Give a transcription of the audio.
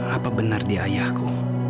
apa benar dia ayahku